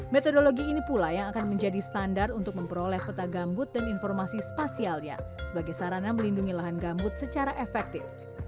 metodologi ini pula yang akan menjadi standar untuk memperoleh peta gambut dan informasi spasialnya sebagai sarana melindungi lahan gambut secara efektif